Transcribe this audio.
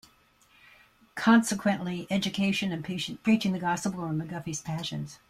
Consequently, education and preaching the Gospel were McGuffey's passions.